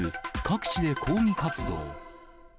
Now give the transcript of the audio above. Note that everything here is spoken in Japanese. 各地で抗議活動。